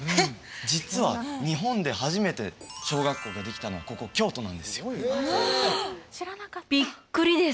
実は日本で初めて小学校ができたのはここ京都なんですよわあびっくりです